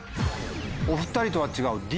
お２人とは違うＤ。